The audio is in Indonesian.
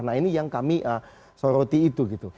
nah ini yang kami soroti itu gitu